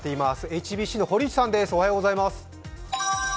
ＨＢＣの堀内さんです。